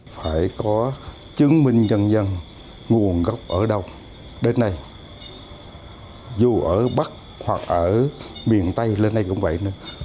phải có chứng minh nhân dân nguồn gốc ở đâu đến nay dù ở bắc hoặc ở miền tây lên đây cũng vậy nữa